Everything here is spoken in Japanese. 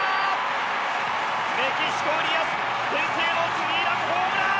メキシコウリアス先制のスリーランホームラン！